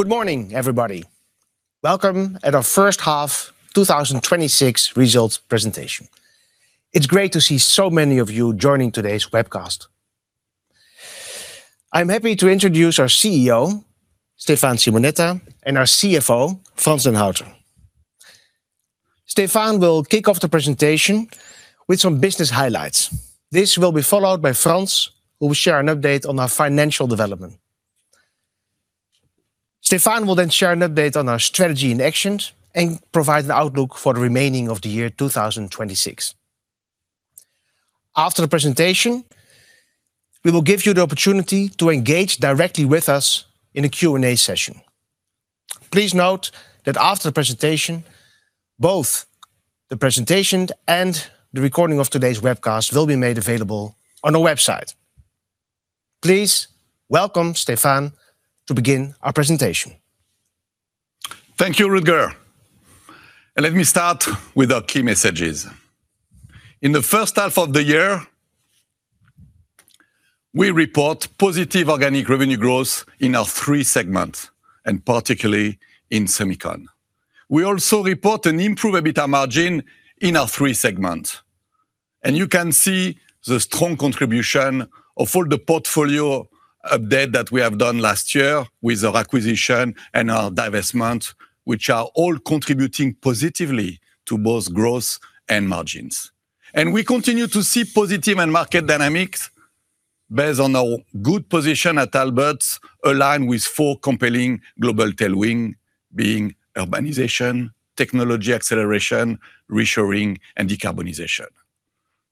Good morning, everybody. Welcome at our first half 2026 results presentation. It's great to see so many of you joining today's webcast. I'm happy to introduce our Chief Executive Officer, Stéphane Simonetta, and our Chief Financial Officer, Frans den Houter. Stéphane will kick off the presentation with some business highlights. This will be followed by Frans, who will share an update on our financial development. Stéphane will share an update on our strategy and actions and provide an outlook for the remaining of the year 2026. After the presentation, we will give you the opportunity to engage directly with us in a Q&A session. Please note that after the presentation, both the presentation and the recording of today's webcast will be made available on our website. Please welcome Stéphane to begin our presentation. Thank you, Rutger. Let me start with our key messages. In the first half of the year, we report positive organic revenue growth in our three segments, particularly in semicon. We also report an improved EBITDA margin in our three segments. You can see the strong contribution of all the portfolio update that we have done last year with our acquisition and our divestment, which are all contributing positively to both growth and margins. We continue to see positive end market dynamics based on our good position at Aalberts, aligned with four compelling global tailwind being urbanization, technology acceleration, reshoring, and decarbonization.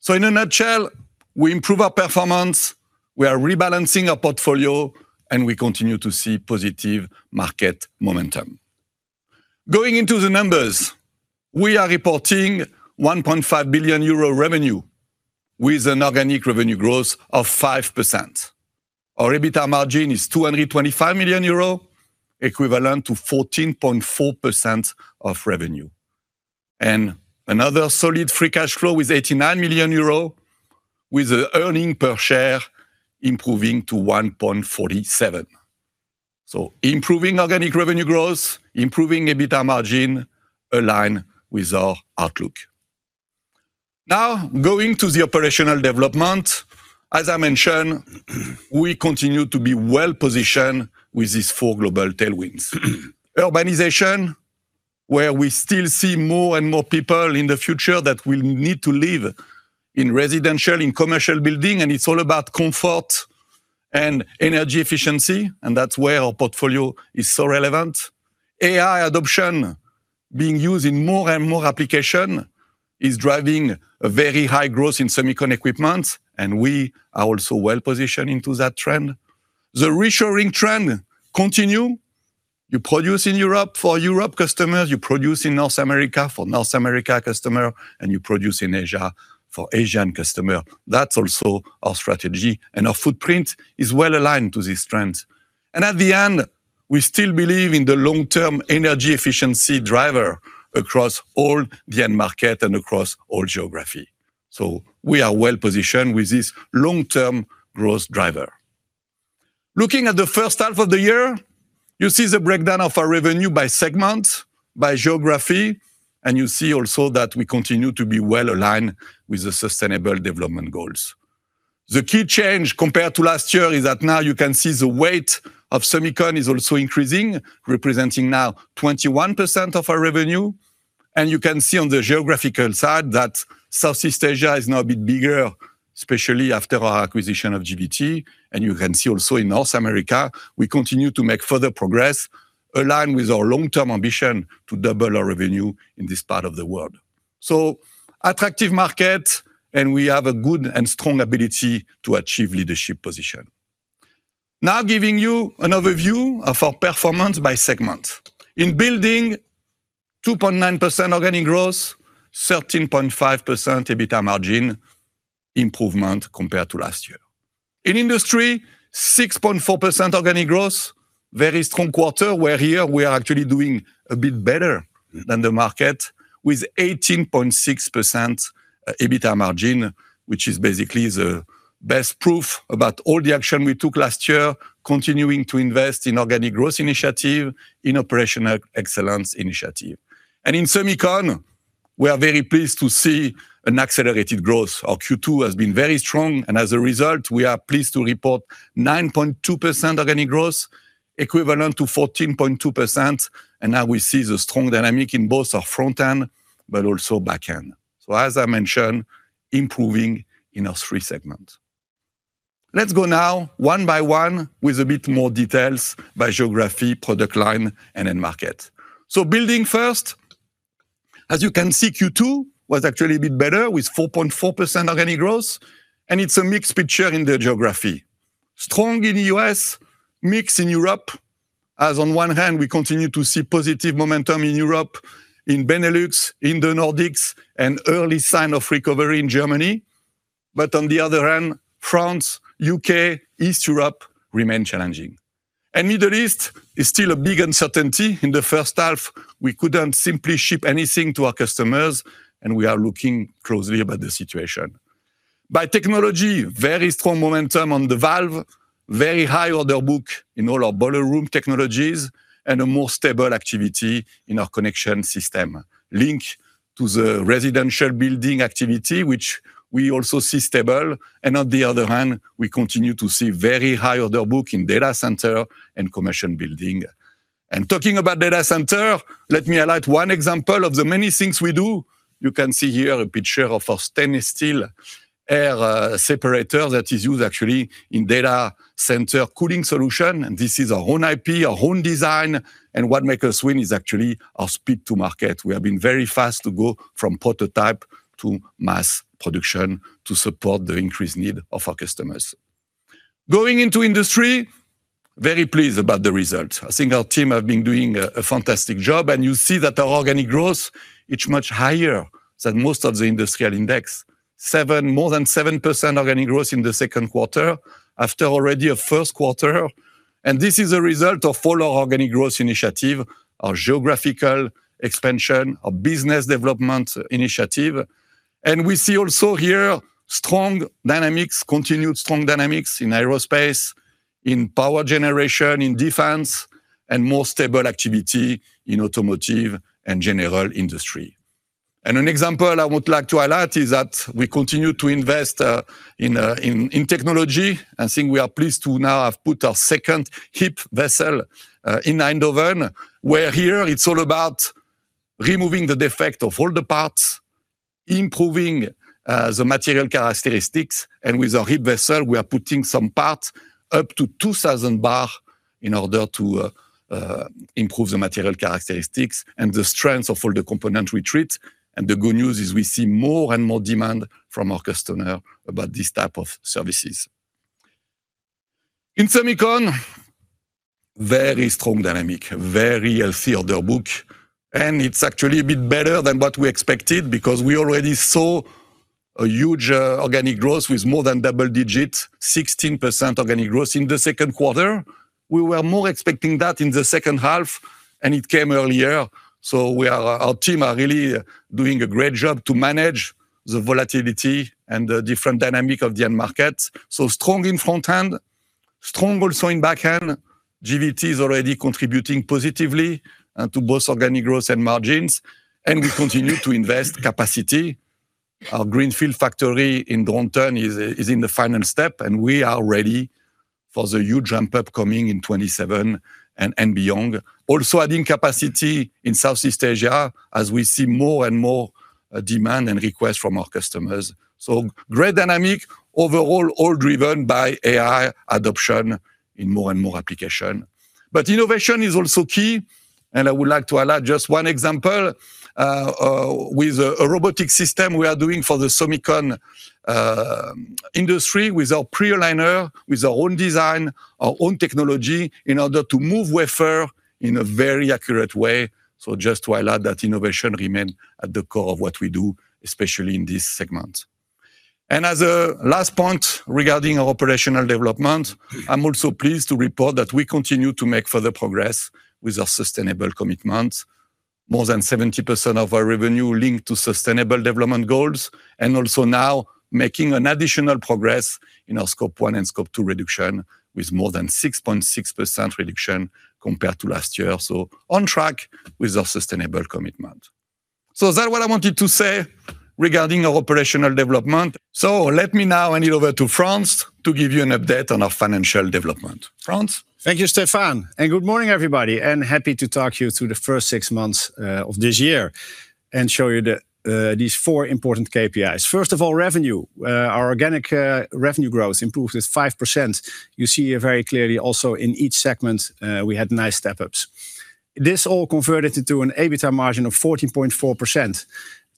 In a nutshell, we improve our performance, we are rebalancing our portfolio, and we continue to see positive market momentum. Going into the numbers, we are reporting 1.5 billion euro revenue with an organic revenue growth of 5%. Our EBITDA margin is 225 million euro, equivalent to 14.4% of revenue. Another solid free cash flow is 89 million euro, with an earning per share improving to 1.47. Improving organic revenue growth, improving EBITDA margin align with our outlook. Now going to the operational development. As I mentioned, we continue to be well-positioned with these four global tailwinds. Urbanization, where we still see more and more people in the future that will need to live in residential, in commercial building, and it's all about comfort and energy efficiency, and that's where our portfolio is so relevant. AI adoption being used in more and more application is driving a very high growth in semicon equipment, and we are also well-positioned into that trend. The reshoring trend continue. You produce in Europe for Europe customers, you produce in North America for North America customer, and you produce in Asia for Asian customer. That's also our strategy, and our footprint is well-aligned to this trend. At the end, we still believe in the long-term energy efficiency driver across all the end market and across all geography. We are well-positioned with this long-term growth driver. Looking at the first half of the year, you see the breakdown of our revenue by segment, by geography, and you see also that we continue to be well-aligned with the Sustainable Development Goals. The key change compared to last year is that now you can see the weight of semicon is also increasing, representing now 21% of our revenue. You can see on the geographical side that Southeast Asia is now a bit bigger, especially after our acquisition of GVT. You can see also in North America, we continue to make further progress, align with our long-term ambition to double our revenue in this part of the world. Attractive market, and we have a good and strong ability to achieve leadership position. Giving you an overview of our performance by segment. In Building, 2.9% organic growth, 13.5% EBITDA margin improvement compared to last year. In Industry, 6.4% organic growth, very strong quarter, where here we are actually doing a bit better than the market with 18.6% EBITDA margin, which is basically the best proof about all the action we took last year, continuing to invest in organic growth initiative, in operational excellence initiative. In semicon, we are very pleased to see an accelerated growth. Our Q2 has been very strong, as a result, we are pleased to report 9.2% organic growth, equivalent to 14.2%, and we see the strong dynamic in both our front-end but also back-end. As I mentioned, improving in our three segments. Let's go one by one with a bit more details by geography, product line, and end market. Building first. As you can see, Q2 was actually a bit better with 4.4% organic growth, and it's a mixed picture in the geography. Strong in the U.S., mixed in Europe, as on one hand, we continue to see positive momentum in Europe, in Benelux, in the Nordics, and early sign of recovery in Germany. On the other hand, France, U.K., East Europe remain challenging. Middle East is still a big uncertainty. In the first half, we couldn't simply ship anything to our customers, we are looking closely about the situation. By technology, very strong momentum on the valve, very high order book in all our boiler room technologies, and a more stable activity in our connection system. Link to the residential building activity, which we also see stable. On the other hand, we continue to see very high order book in data center and commercial building. Talking about data center, let me highlight one example of the many things we do. You can see here a picture of a stainless steel air separator that is used actually in data center cooling solution. This is our own IP, our own design. What make us win is actually our speed to market. We have been very fast to go from prototype to mass production to support the increased need of our customers. Going into Industry, very pleased about the results. I think our team have been doing a fantastic job. You see that our organic growth is much higher than most of the industrial index. More than 7% organic growth in the second quarter after already a first quarter. This is a result of all our organic growth initiative, our geographical expansion, our business development initiative. We see also here strong dynamics, continued strong dynamics in aerospace, in power generation, in defense, and more stable activity in automotive and general industry. An example I would like to highlight is that we continue to invest in technology, and I think we are pleased to now have put our second HIP vessel in Eindhoven, where here it is all about removing the defect of all the parts, improving the material characteristics. With our HIP vessel, we are putting some parts up to 2,000 bar in order to improve the material characteristics and the strength of all the components we treat. The good news is we see more and more demand from our customer about this type of services. In semicon, very strong dynamic, very healthy order book, and it is actually a bit better than what we expected because we already saw a huge organic growth with more than double-digit, 16% organic growth in the second quarter. We were more expecting that in the second half, and it came earlier. Our team are really doing a great job to manage the volatility and the different dynamic of the end market. Strong in front end, strong also in back end. GVT is already contributing positively to both organic growth and margins, and we continue to invest capacity. Our greenfield factory in Dronten is in the final step, and we are ready for the huge ramp-up coming in 2027 and beyond. Also adding capacity in Southeast Asia as we see more and more demand and requests from our customers. Great dynamic overall, all driven by AI adoption in more and more application. But innovation is also key, and I would like to highlight just one example. With a robotic system we are doing for the semicon industry with our pre-aligner, with our own design, our own technology in order to move wafer in a very accurate way. Just to highlight that innovation remain at the core of what we do, especially in this segment. As a last point regarding our operational development, I am also pleased to report that we continue to make further progress with our sustainable commitment. More than 70% of our revenue linked to sustainable development goals and also now making an additional progress in our Scope 1 and Scope 2 reduction, with more than 6.6% reduction compared to last year. On track with our sustainable commitment. That what I wanted to say regarding our operational development. Let me now hand it over to Frans to give you an update on our financial development. Frans? Thank you, Stéphane, and good morning, everybody, and happy to talk you through the first six months of this year and show you these four important KPIs. First of all, revenue. Our organic revenue growth improved with 5%. You see here very clearly also in each segment, we had nice step-ups. This all converted into an EBITDA margin of 14.4%,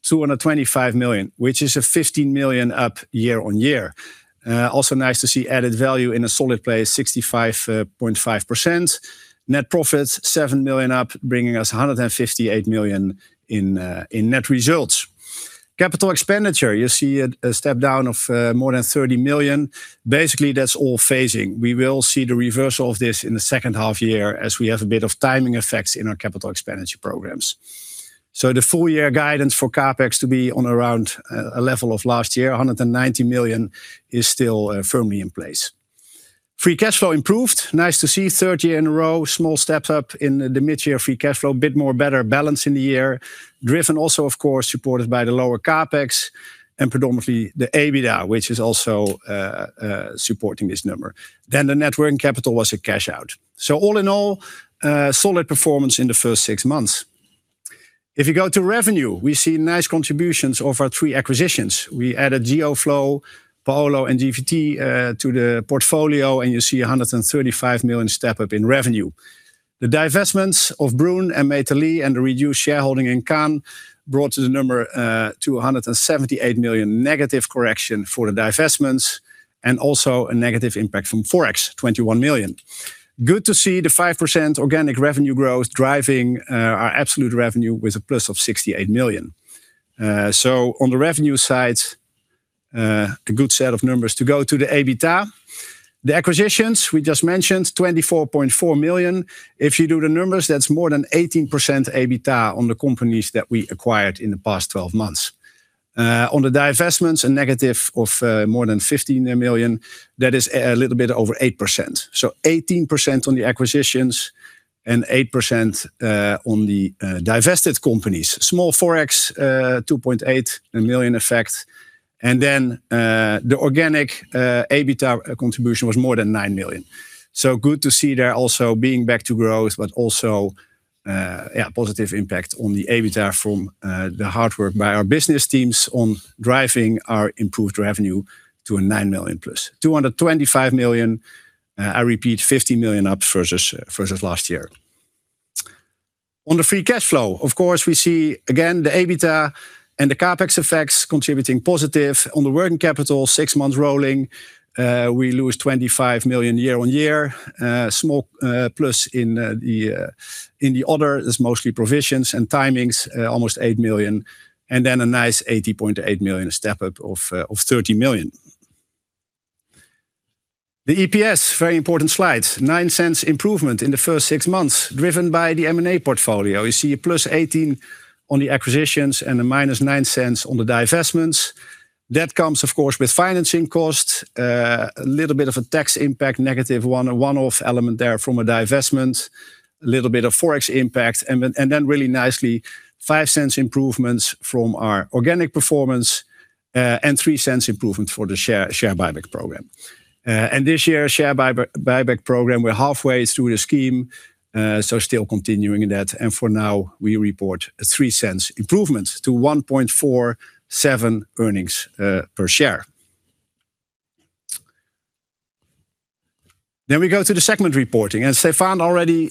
225 million, which is 15 million up year-on-year. Also nice to see added value in a solid place, 65.5%. Net profits, 7 million up, bringing us 158 million in net results. Capital expenditure, you see a step-down of more than 30 million. Basically, that is all phasing. We will see the reversal of this in the second half year as we have a bit of timing effects in our capital expenditure programs. The full year guidance for CapEx to be on around a level of last year, 190 million, is still firmly in place. Free cash flow improved. Nice to see third year in a row, small step up in the mid-year free cash flow, a bit more better balance in the year. Driven also, of course, supported by the lower CapEx and predominantly the EBITDA, which is also supporting this number. The net working capital was a cash out. All in all, solid performance in the first six months. If you go to revenue, we see nice contributions of our three acquisitions. We added Geo-Flo, Paulo, and GVT to the portfolio, and you see 135 million step-up in revenue. The divestments of Broen and Metalis and the reduced shareholding in KAN brought the number to 178 million negative correction for the divestments and also a negative impact from ForEx, 21 million. Good to see the 5% organic revenue growth driving our absolute revenue with a plus of 68 million. On the revenue side, a good set of numbers. To go to the EBITDA. The acquisitions, we just mentioned, 24.4 million. If you do the numbers, that's more than 18% EBITDA on the companies that we acquired in the past 12 months. On the divestments, a negative of more than 15 million. That is a little bit over 8%. 18% on the acquisitions and 8% on the divested companies. Small FoRex, 2.8 million effect. The organic EBITDA contribution was more than 9 million. Good to see there also being back to growth, but also a positive impact on the EBITDA from the hard work by our business teams on driving our improved revenue to a 9 million+. 225 million, I repeat, 50 million up versus last year. On the free cash flow, of course, we see again the EBITDA and the CapEx effects contributing positive. On the working capital, six months rolling, we lose 25 million year-on-year. Small plus in the other. There's mostly provisions and timings, almost 8 million. A nice 80.8 million step up of 30 million. The EPS, very important slide. 0.09 improvement in the first six months, driven by the M&A portfolio. You see a +0.18 on the acquisitions and a minus 0.09 on the divestments. That comes, of course, with financing costs. A little bit of a tax impact, -0.01, a one-off element there from a divestment. A little bit of ForEx impact. Really nicely, 0.05 improvements from our organic performance, 0.03 improvement for the share buyback program. This year, share buyback program, we're halfway through the scheme, so still continuing that. For now, we report a 0.03 improvement to 1.47 earnings per share. We go to the segment reporting, and Stéphane already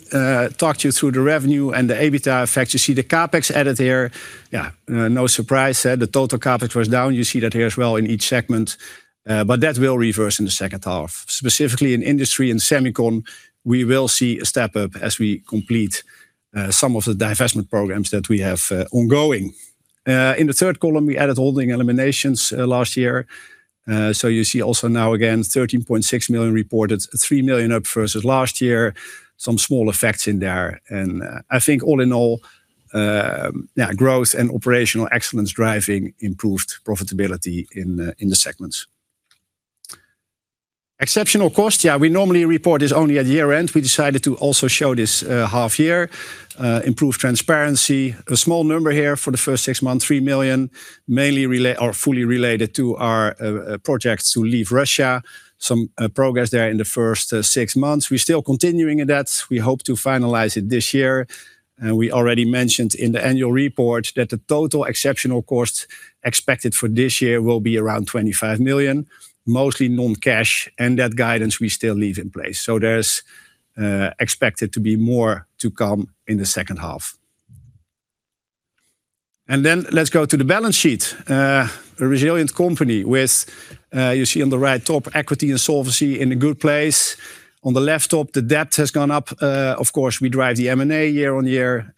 talked you through the revenue and the EBITDA effects. You see the CapEx added there. No surprise there. The total CapEx was down. You see that here as well in each segment, but that will reverse in the second half. Specifically in industry and semicon, we will see a step up as we complete some of the divestment programs that we have ongoing. In the third column, we added holding eliminations last year. You see also now again, 13.6 million reported, 3 million up versus last year. Some small effects in there. I think all in all, growth and operational excellence driving improved profitability in the segments. Exceptional cost. We normally report this only at year-end. We decided to also show this half year, improve transparency. A small number here for the first six months, 3 million, fully related to our projects to leave Russia. Some progress there in the first six months. We're still continuing that. We hope to finalize it this year. We already mentioned in the annual report that the total exceptional costs expected for this year will be around 25 million, mostly non-cash, and that guidance we still leave in place. There's expected to be more to come in the second half. Let's go to the balance sheet. A resilient company with, you see on the right top, equity and solvency in a good place. On the left top, the debt has gone up. Of course, we drive the M&A year-on-year.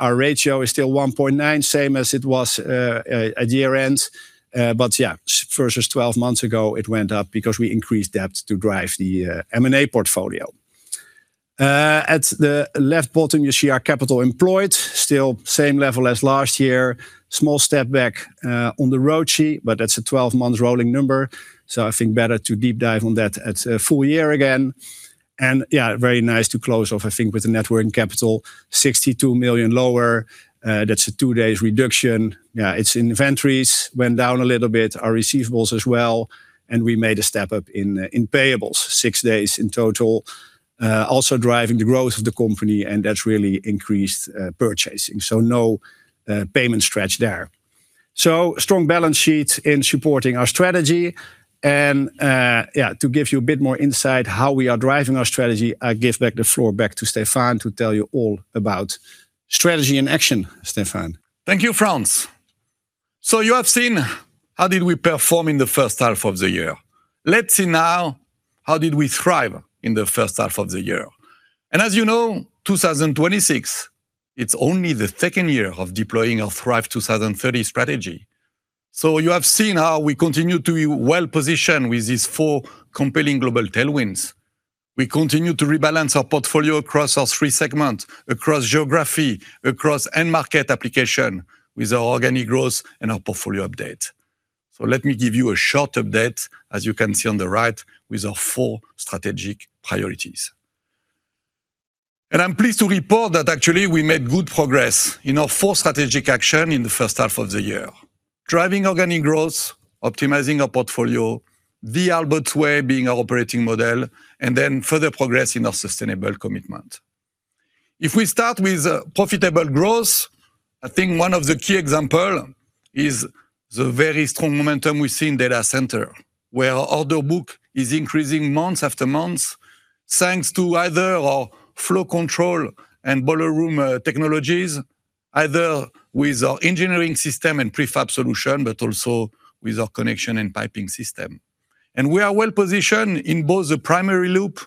Our ratio is still 1.9, same as it was at year-end. Versus 12 months ago, it went up because we increased debt to drive the M&A portfolio. At the left bottom, you see our capital employed, still same level as last year. Small step back on the ROCE, but that's a 12-month rolling number, I think better to deep dive on that at full year again. Very nice to close off, I think, with the net working capital, 62 million lower. That's a two days reduction. Its inventories went down a little bit, our receivables as well, and we made a step up in payables, six days in total. Also driving the growth of the company, and that's really increased purchasing. No payment stretch there. Strong balance sheet in supporting our strategy. To give you a bit more insight how we are driving our strategy, I give back the floor back to Stéphane to tell you all about strategy in action. Stéphane. Thank you, Frans. You have seen how did we perform in the first half of the year. Let's see now how did we thrive in the first half of the year. As you know, 2026, it's only the second year of deploying our thrive 2030 strategy. You have seen how we continue to be well-positioned with these four compelling global tailwinds. We continue to rebalance our portfolio across our three segments, across geography, across end-market application, with our organic growth and our portfolio update. Let me give you a short update, as you can see on the right, with our four strategic priorities. I'm pleased to report that actually we made good progress in our 4 strategic actions in the first half of the year, driving organic growth, optimizing our portfolio, the Aalberts Way being our operating model, and further progress in our sustainable commitment. If we start with profitable growth, I think one of the key examples is the very strong momentum we see in data centers, where our order book is increasing month after month, thanks to either our flow control and boiler room technologies, or with our engineering system and prefab solution, but also with our connection and piping system. We are well positioned in both the primary loop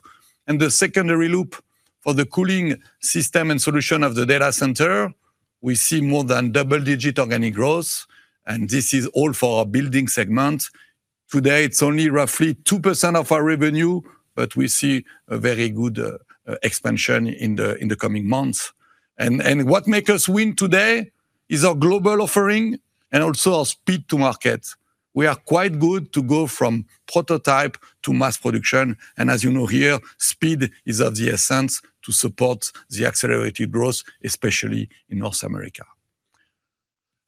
and the secondary loop for the cooling systems and solutions of the data centers. We see more than double-digit organic growth, and this is all for our Buildings segment. Today, it's only roughly 2% of our revenue, but we see a very good expansion in the coming months. What makes us win today is our global offering and also our speed to market. We are quite good to go from prototype to mass production, and as you know here, speed is of the essence to support the accelerated growth, especially in North America.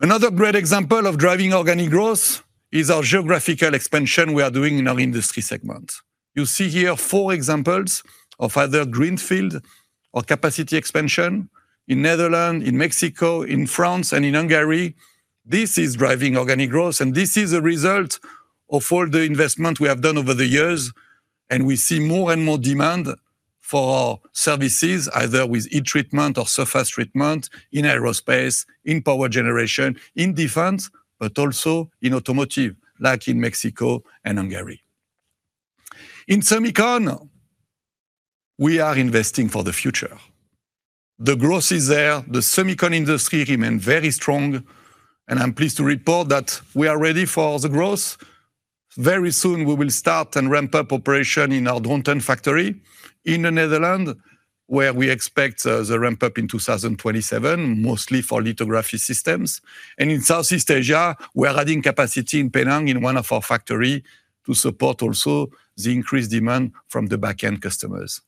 Another great example of driving organic growth is our geographical expansion we are doing in our Industry segment. You see here four examples of either greenfield or capacity expansion in Netherlands, in Mexico, in France, and in Hungary. This is driving organic growth, and this is a result of all the investment we have done over the years, and we see more and more demand for our services, either with heat treatment or surface treatment in aerospace, in power generation, in defense, but also in automotive, like in Mexico and Hungary. In semicon, we are investing for the future. The growth is there. The semicon industry remains very strong, and I'm pleased to report that we are ready for the growth. Very soon, we will start and ramp up operation in our Dronten factory in the Netherlands, where we expect the ramp-up in 2027, mostly for lithography systems. In Southeast Asia, we're adding capacity in Penang in one of our factories to support also the increased demand from the backend customers.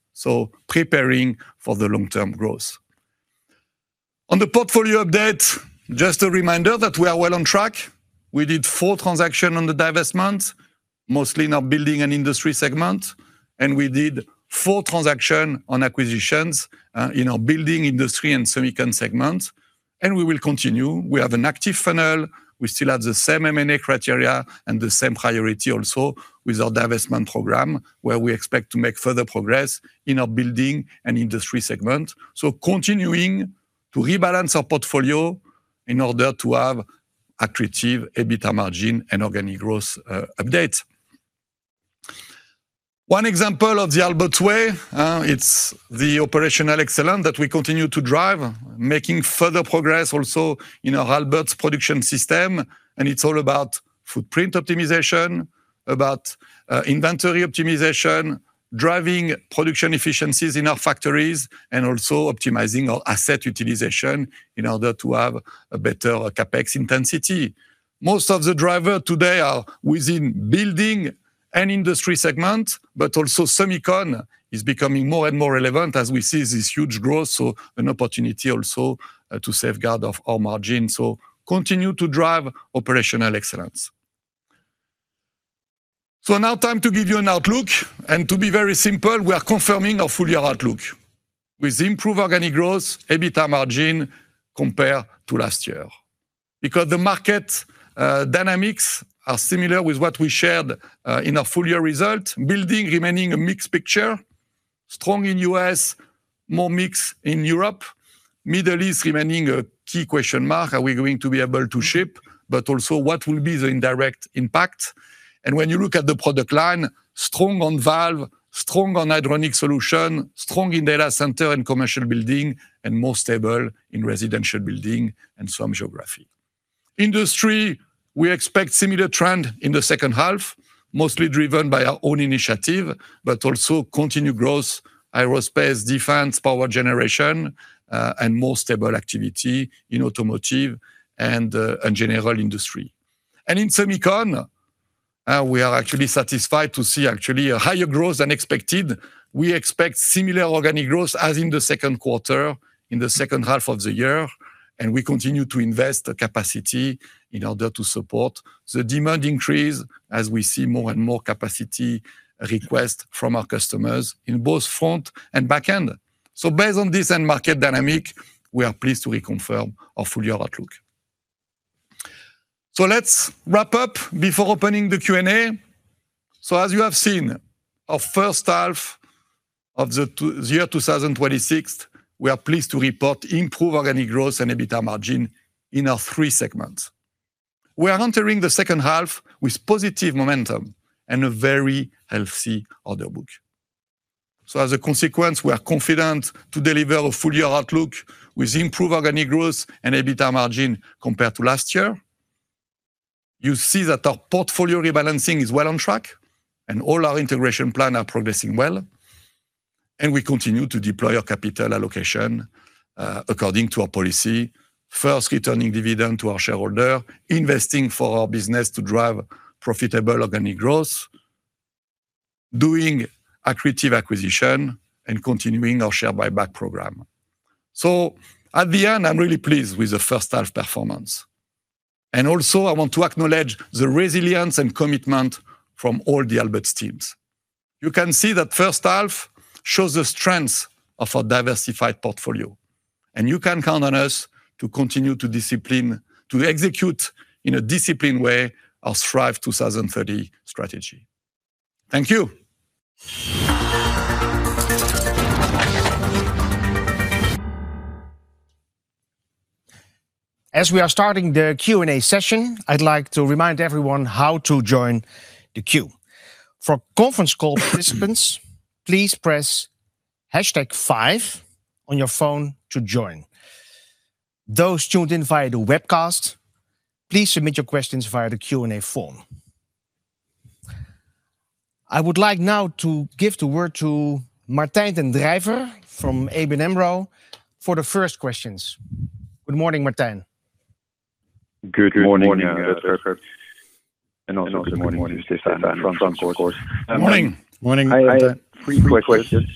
Preparing for the long-term growth. On the portfolio update, just a reminder that we are well on track. We did four transactions on the divestment, mostly in our Buildings and Industry segments, and we did four transactions on acquisitions in our Buildings, Industry, and Semicon segments. We will continue. We have an active funnel. We still have the same M&A criteria and the same priority also with our divestment program, where we expect to make further progress in our Buildings and Industry segments. Continuing to rebalance our portfolio in order to have accretive EBITdA margin and organic growth updates. One example of the Aalberts Way, it's the operational excellence that we continue to drive, making further progress also in our Aalberts production system, and it's all about footprint optimization, about inventory optimization, driving production efficiencies in our factories, and also optimizing our asset utilization in order to have a better CapEx intensity. Most of the drivers today are within building and industry segment, but also semicon is becoming more and more relevant as we see this huge growth. An opportunity also to safeguard our margin. Continue to drive operational excellence. Now time to give you an outlook, and to be very simple, we are confirming our full-year outlook with improved organic growth, EBITDA margin compared to last year. The market dynamics are similar with what we shared in our full-year result, building remaining a mixed picture, strong in U.S., more mixed in Europe, Middle East remaining a key question mark. Are we going to be able to ship? Also what will be the indirect impact? When you look at the product line, strong on valve, strong on hydronic solution, strong in data center and commercial building, and more stable in residential building and some geography. Industry, we expect similar trend in the second half, mostly driven by our own initiative, but also continued growth, aerospace, defense, power generation, and more stable activity in automotive and general industry. In semicon, we are actually satisfied to see actually a higher growth than expected. We expect similar organic growth as in the second quarter, in the second half of the year, and we continue to invest the capacity in order to support the demand increase as we see more and more capacity requests from our customers in both front and backend. Based on this end market dynamic, we are pleased to reconfirm our full-year outlook. Let's wrap up before opening the Q&A. As you have seen, our first half of the year 2026, we are pleased to report improved organic growth and EBITDA margin in our three segments. We are entering the second half with positive momentum and a very healthy order book. As a consequence, we are confident to deliver our full-year outlook with improved organic growth and EBITDA margin compared to last year. You see that our portfolio rebalancing is well on track, all our integration plans are progressing well, and we continue to deploy our capital allocation according to our policy. First, returning dividend to our shareholder, investing for our business to drive profitable organic growth, doing accretive acquisition, and continuing our share buyback program. At the end, I'm really pleased with the first half performance. Also, I want to acknowledge the resilience and commitment from all the Aalberts teams. You can see that first half shows the strength of our diversified portfolio, and you can count on us to continue to execute in a disciplined way our thrive 2030 strategy. Thank you. As we are starting the Q&A session, I'd like to remind everyone how to join the queue. For conference call participants, please press hashtag five on your phone to join. Those tuned in via the webcast, please submit your questions via the Q&A form. I would like now to give the word to Martijn Den Drijver from ABN AMRO for the first questions. Good morning, Martijn. Good morning, Rutger. Also good morning to Stéphane and Frans, of course. Morning. Morning. I have three questions.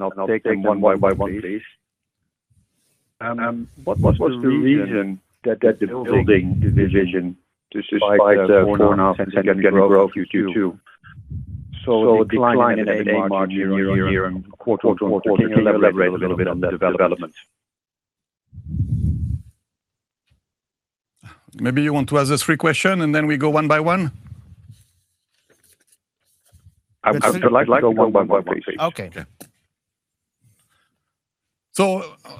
I'll take them one by one, please. What was the reason that the Building division despite the one-off and organic growth Q2 saw a decline in EBITDA margin year-on-year and quarter-on-quarter? Can you elaborate a little bit on the development? Maybe you want to answer three questions and then we go one by one. I would like to go one by one, please. Okay.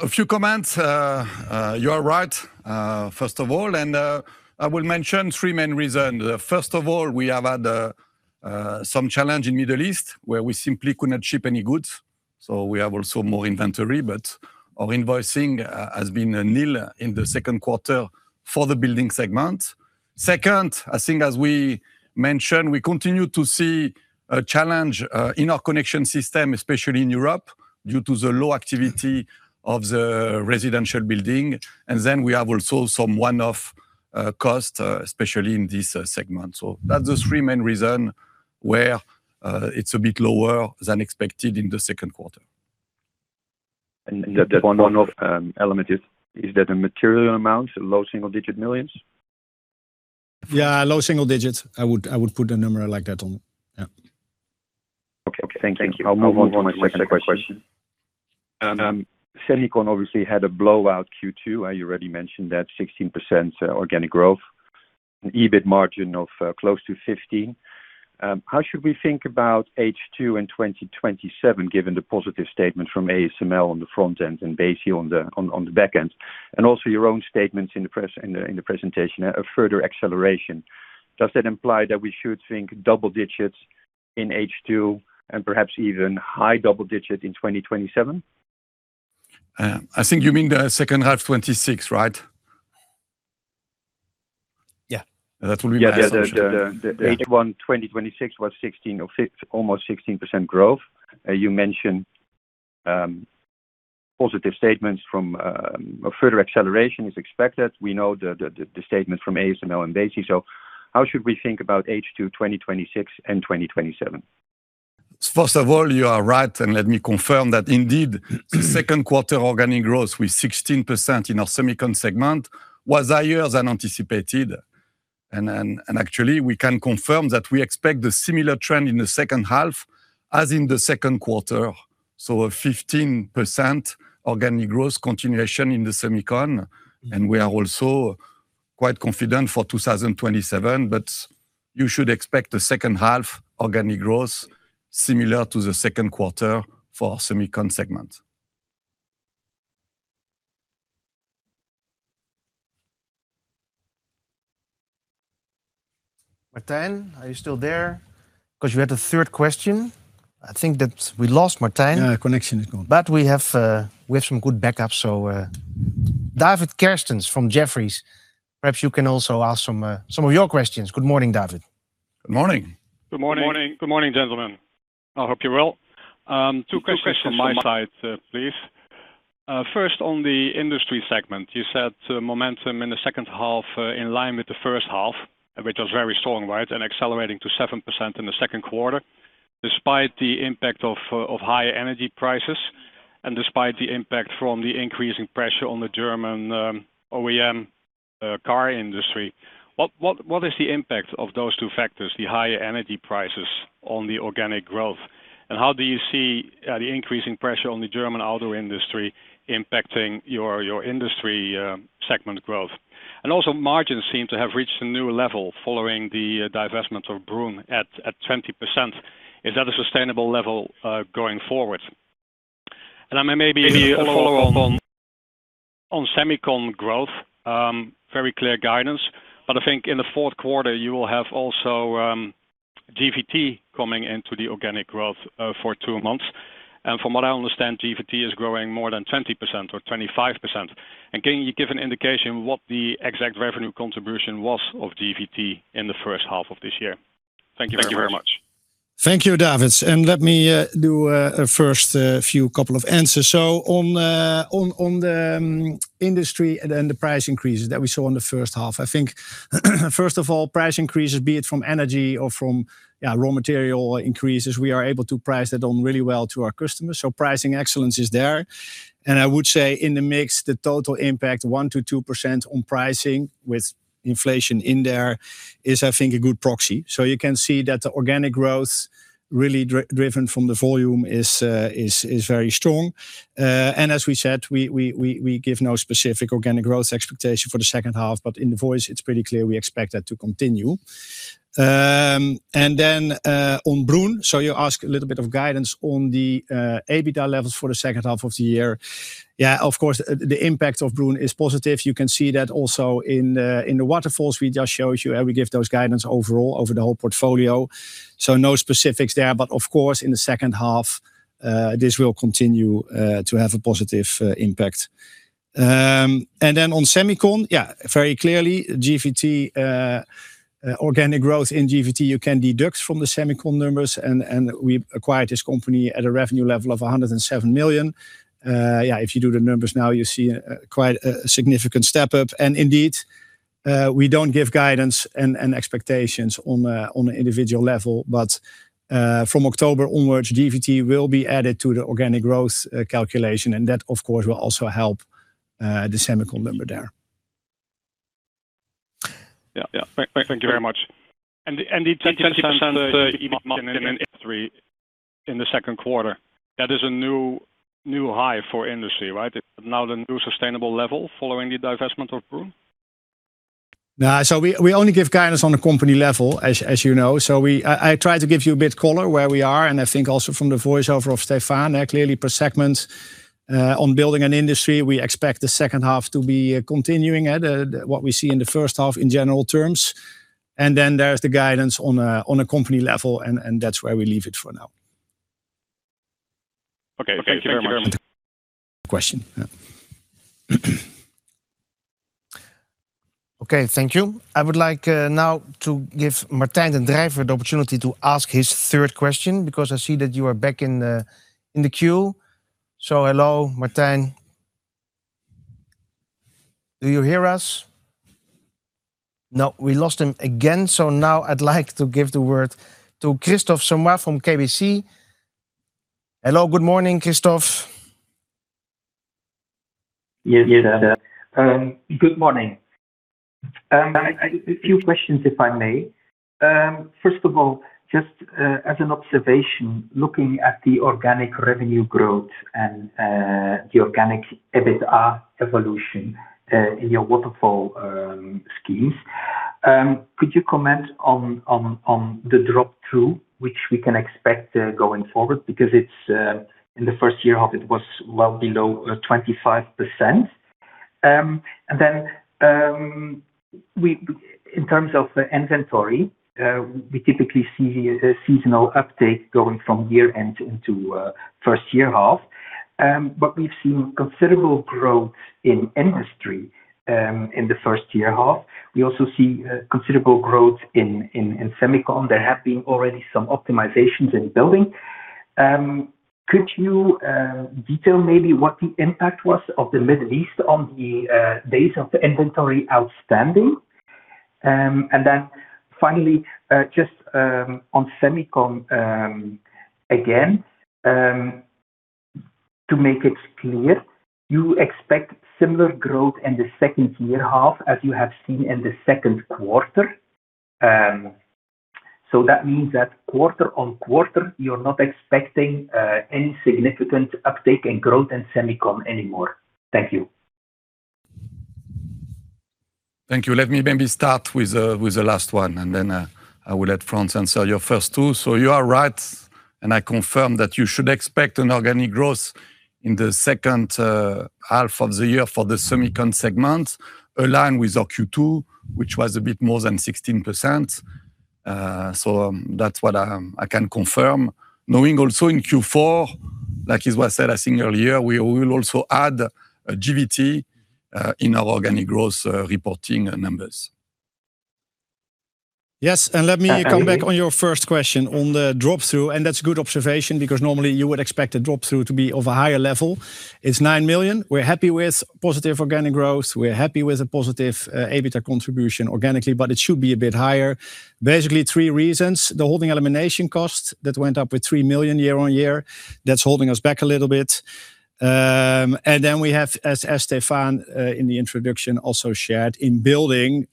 A few comments. You are right, first of all, I will mention three main reasons. First of all, we have had some challenge in Middle East where we simply could not ship any goods, so we have also more inventory, but our invoicing has been nil in the second quarter for the Building segment. Second, I think as we mentioned, we continue to see a challenge in our connection system, especially in Europe, due to the low activity of the residential building. We have also some one-off cost, especially in this segment. That's the three main reasons where it's a bit lower than expected in the second quarter. That one-off element, is that a material amount, low single digit millions? Yeah, low single digits. I would put a number like that on. Yeah. Okay, thank you. I'll move on to my second question. Semiconductor obviously had a blowout Q2. You already mentioned that 16% organic growth, an EBITDA margin of close to 15. How should we think about H2 in 2027, given the positive statement from ASML on the front end and Besi on the back end, and also your own statements in the presentation of further acceleration? Does that imply that we should think double digits in H2 and perhaps even high double digits in 2027? I think you mean the second half 2026, right? Yeah. That would be my assumption. Yeah. The H1 2026 was almost 16% growth. You mentioned positive statements from further acceleration is expected. We know the statement from ASML and Besi, how should we think about H2 2026 and 2027? First of all, you are right, let me confirm that indeed, second quarter organic growth with 16% in our Semiconductor segment was higher than anticipated. Actually, we can confirm that we expect a similar trend in the second half as in the second quarter, a 15% organic growth continuation in the Semiconductor. We are also quite confident for 2027, you should expect the second half organic growth similar to the second quarter for Semiconductor segment. Martijn, are you still there? You had a third question. I think that we lost Martijn. Yeah, connection is gone. We have some good backup. David Kerstens from Jefferies, perhaps you can also ask some of your questions. Good morning, David. Good morning. Good morning, gentlemen. I hope you're well. Two questions from my side, please. First, on the Industry segment, you said momentum in the second half in line with the first half, which was very strong, right? Accelerating to 7% in the second quarter, despite the impact of high energy prices and despite the impact from the increasing pressure on the German OEM car industry. What is the impact of those two factors, the higher energy prices on the organic growth, and how do you see the increasing pressure on the German auto industry impacting your Industry segment growth? Also margins seem to have reached a new level following the divestment of Broen at 20%. Is that a sustainable level going forward? Maybe a follow-on on Semiconductor growth. Very clear guidance, I think in the fourth quarter, you will have also GVT coming into the organic growth for two months. From what I understand, GVT is growing more than 20% or 25%. Can you give an indication what the exact revenue contribution was of GVT in the first half of this year? Thank you very much. Thank you, David. Let me do a first few couple of answers. On the Industry and then the price increases that we saw in the first half, I think first of all, price increases, be it from energy or from raw material increases, we are able to price that on really well to our customers. Pricing excellence is there. I would say in the mix, the total impact, 1% to 2% on pricing with inflation in there is, I think, a good proxy. You can see that the organic growth really driven from the volume is very strong. As we said, we give no specific organic growth expectation for the second half. In the voice, it's pretty clear we expect that to continue. On Broen, you ask a little bit of guidance on the EBITDA levels for the second half of the year. Of course, the impact of Broen is positive. You can see that also in the waterfalls we just showed you, where we give those guidance overall over the whole portfolio. No specifics there, but of course, in the second half, this will continue to have a positive impact. On semicon, very clearly, organic growth in GVT, you can deduct from the semicon numbers, and we acquired this company at a revenue level of 107 million. If you do the numbers now, you see quite a significant step up. Indeed, we don't give guidance and expectations on an individual level. From October onwards, GVT will be added to the organic growth calculation, and that, of course, will also help the semicon number there. Thank you very much. The 20% EBITDA margin in Industry in the second quarter, that is a new high for Industry, right? Now the new sustainable level following the divestment of Broen? No. We only give guidance on a company level, as you know. I try to give you a bit color where we are, and I think also from the voiceover of Stéphane, clearly per segment on Building and Industry, we expect the second half to be continuing at what we see in the first half in general terms. Then there's the guidance on a company level, and that's where we leave it for now. Okay. Thank you very much. Question. Okay, thank you. I would like now to give Martijn Den Drijver the opportunity to ask his third question, because I see that you are back in the queue. Hello, Martijn. Do you hear us? No, we lost him again. Now I'd like to give the word to Kristof Samoy from KBC. Hello, good morning, Kristof. Yes. Good morning. A few questions, if I may. First of all, just as an observation, looking at the organic revenue growth and the organic EBITDA evolution in your waterfall schemes. Could you comment on the drop-through which we can expect going forward? Because in the first year half it was well below 25%. In terms of inventory, we typically see a seasonal update going from year-end into first year half. We've seen considerable growth in Industry in the first year half. We also see considerable growth in semicon. There have been already some optimizations in Building. Could you detail maybe what the impact was of the Middle East on the days of the inventory outstanding? Finally, just on semicon, again, to make it clear, you expect similar growth in the second year half as you have seen in the second quarter? That means that quarter-on-quarter, you're not expecting any significant uptick in growth in semicon anymore. Thank you. Thank you. Let me maybe start with the last one, and then I will let Frans answer your first two. You are right, and I confirm that you should expect an organic growth in the second half of the year for the semicon segment, aligned with our Q2, which was a bit more than 16%. That's what I can confirm. Knowing also in Q4, like is what I said, I think earlier, we will also add GVT in our organic growth reporting numbers. Yes. Let me come back on your first question on the drop-through, and that's a good observation because normally you would expect a drop-through to be of a higher level. It's 9 million. We're happy with positive organic growth. We're happy with a positive EBITDA contribution organically, but it should be a bit higher. Basically, three reasons. The holding elimination cost that went up with 3 million year-on-year, that's holding us back a little bit. We have, as Stephane in the introduction also shared, in Building,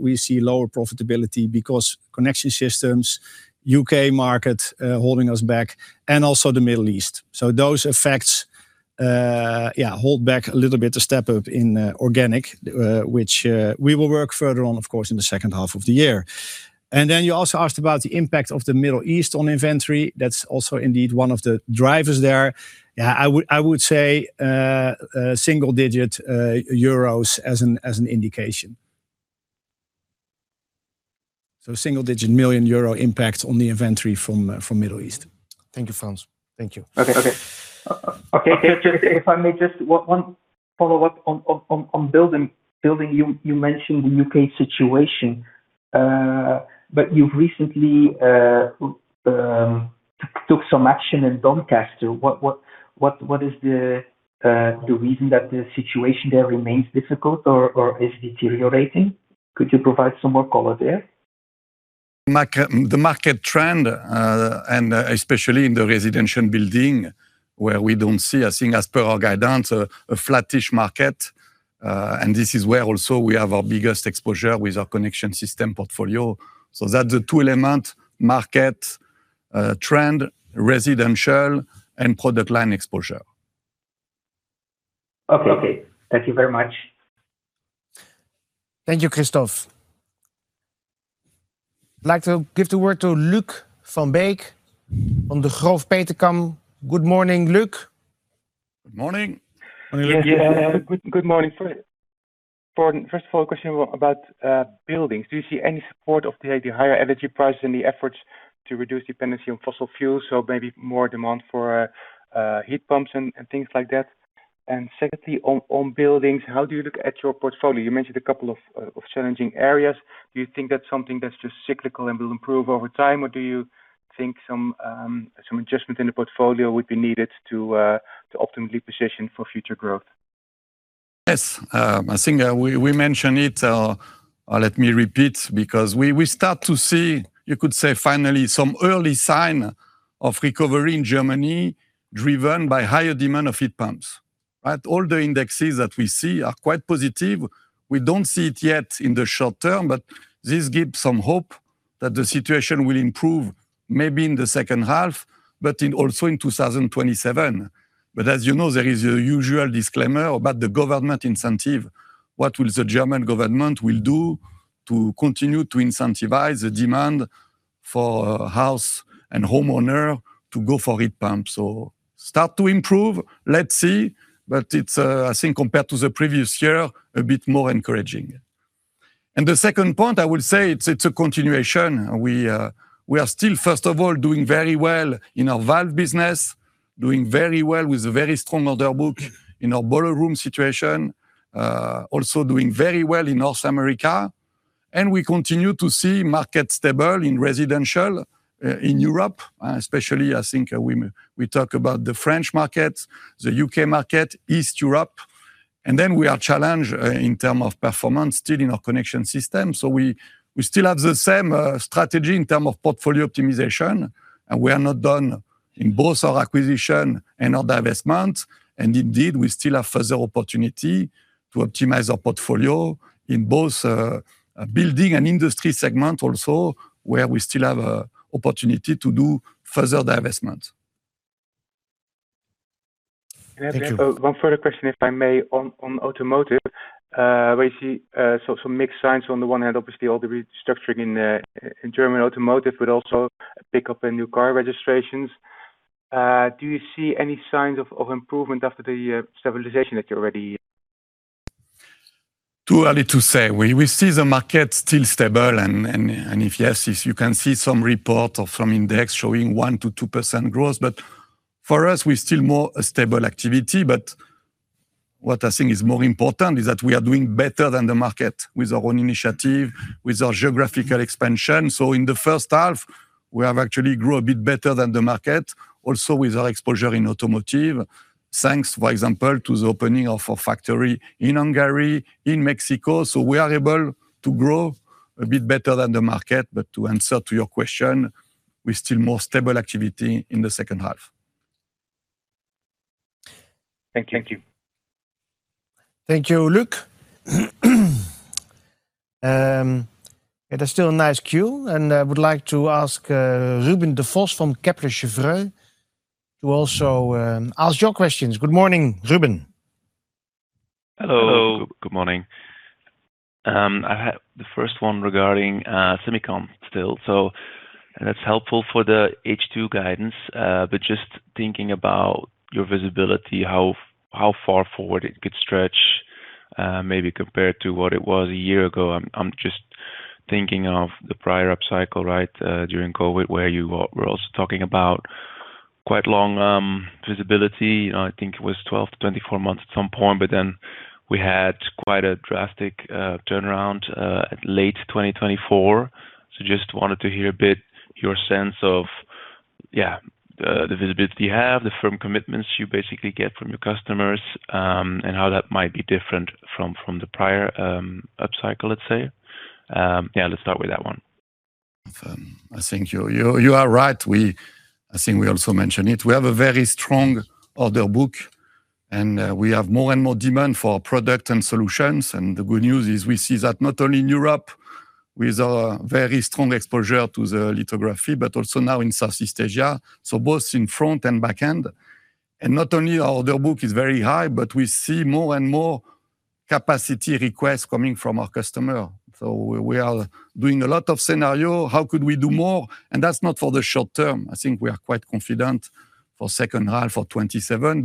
we see lower profitability because Connection Systems, U.K. market holding us back, and also the Middle East. Those effects hold back a little bit the step up in organic, which we will work further on, of course, in the second half of the year. You also asked about the impact of the Middle East on inventory. That's also indeed one of the drivers there. I would say single-digit EUR as an indication. Single-digit million EUR impact on the inventory from Middle East. Thank you, Frans. Thank you. Okay. If I may, just one follow-up on Building. Building, you mentioned the U.K. situation. You've recently took some action in Doncaster. What is the reason that the situation there remains difficult or is deteriorating? Could you provide some more color there? The market trend, and especially in the residential building, where we don't see, I think as per our guidance, a flattish market. This is where also we have our biggest exposure with our Connection System portfolio. That's the two-element market trend, residential, and product line exposure. Okay. Thank you very much. Thank you, Kristof. I'd like to give the word to Luuk van Beek from Degroof Petercam. Good morning, Luuk. Good morning. Good morning. First of all, a question about buildings. Do you see any support of the higher energy prices in the efforts to reduce dependency on fossil fuels, so maybe more demand for heat pumps and things like that? Secondly, on buildings, how do you look at your portfolio? You mentioned a couple of challenging areas. Do you think that's something that's just cyclical and will improve over time, or do you think some adjustment in the portfolio would be needed to optimally position for future growth? Yes. I think we mentioned it, or let me repeat, because we start to see, you could say finally, some early sign of recovery in Germany, driven by higher demand of heat pumps, right? All the indexes that we see are quite positive. We don't see it yet in the short term, this gives some hope that the situation will improve, maybe in the second half, also in 2027. As you know, there is a usual disclaimer about the government incentive. What will the German government will do to continue to incentivize the demand for house and homeowner to go for heat pumps? Start to improve. Let's see. It's, I think compared to the previous year, a bit more encouraging. The second point, I would say, it's a continuation. We are still, first of all, doing very well in our valve business, doing very well with a very strong order book in our boiler room situation. Also doing very well in North America. We continue to see market stable in residential in Europe, especially I think we talk about the French market, the U.K. market, East Europe. Then we are challenged in term of performance still in our connection system. We still have the same strategy in term of portfolio optimization, and we are not done in both our acquisition and our divestment. Indeed, we still have further opportunity to optimize our portfolio in both building and industry segment also, where we still have opportunity to do further divestment. Thank you. One further question, if I may, on automotive, where you see some mixed signs on the one hand, obviously all the restructuring in German automotive, but also pick up in new car registrations. Do you see any signs of improvement after the stabilization that you already. Too early to say. We see the market still stable, and if yes, if you can see some report or some index showing 1%-2% growth. For us, we're still more a stable activity, but what I think is more important is that we are doing better than the market with our own initiative, with our geographical expansion. In the first half, we have actually grew a bit better than the market. Also with our exposure in automotive, thanks, for example, to the opening of a factory in Hungary, in Mexico. We are able to grow a bit better than the market. To answer to your question, we're still more stable activity in the second half. Thank you. Thank you, Luuk. It is still a nice queue. I would like to ask Ruben Devos from Kepler Cheuvreux to also ask your questions. Good morning, Ruben. Hello. Good morning. I have the first one regarding semicon still. That's helpful for the H2 guidance, just thinking about your visibility, how far forward it could stretch, maybe compared to what it was a year ago. I'm just thinking of the prior upcycle during COVID, where you were also talking about quite long visibility. I think it was 12 to 24 months at some point, we had quite a drastic turnaround at late 2024. Just wanted to hear a bit your sense of the visibility you have, the firm commitments you basically get from your customers, and how that might be different from the prior upcycle, let's say. Yeah, let's start with that one. I think you are right. I think we also mentioned it. We have a very strong order book, and we have more and more demand for product and solutions. The good news is we see that not only in Europe, with our very strong exposure to the lithography, but also now in Southeast Asia, both in front and back end. Not only our order book is very high, but we see more and more capacity requests coming from our customer. We are doing a lot of scenario, how could we do more? That's not for the short term. I think we are quite confident for second half of 2027,